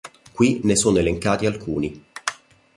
Qui ne sono elencati alcuni.